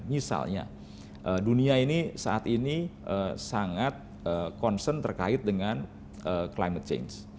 misalnya dunia ini saat ini sangat concern terkait dengan climate change